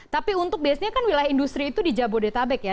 tapi untuk biasanya kan wilayah industri itu di jabodetabek ya